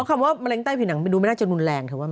คำว่ามะเร็งใต้ผิวหนังดูไม่น่าจะรุนแรงเธอว่า